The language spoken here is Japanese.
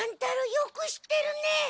よく知ってるね。